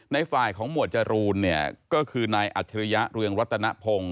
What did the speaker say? ในไฟล์ของหมวดจรูนก็คือนายอัธิริยะเรืองวัฒนภง